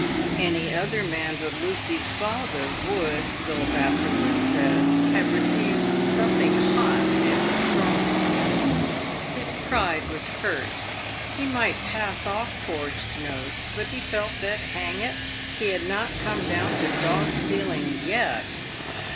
Any other man but Lucy's father would — Philip afterwards said — have received " something hot and strong." His pride was hurt. He might pass off forged notes, but he felt that, hang it, " he had not come down to dog stealing yet."